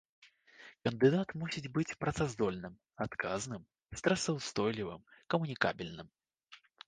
Кандыдат мусіць быць працаздольным, адказным, стрэсаўстойлівым, камунікабельным.